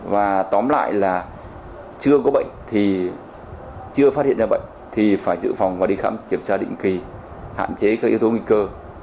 và tóm lại là chưa có bệnh thì chưa phát hiện ra bệnh thì phải dự phòng và đi khám kiểm tra định kỳ hạn chế các yếu tố nguy cơ